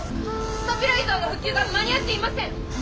スタビライザーの復旧が間に合っていません」。